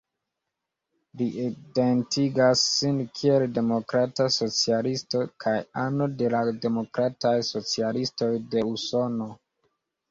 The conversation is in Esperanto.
Li identigas sin kiel demokrata socialisto kaj ano de la Demokrataj Socialistoj de Usono.